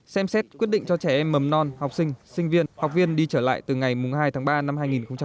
xem xét quyết định cho trẻ em mầm non học sinh sinh viên học viên đi trở lại từ ngày hai tháng ba năm hai nghìn hai mươi